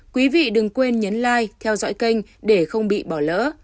quý vị đừng quên nhấn like theo dõi kênh để không bị bỏ lỡ